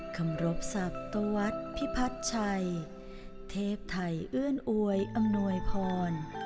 คำรบศัพท์ตะวัดพิพัดชัยเทพไทยอื่นอวยอำนวยพร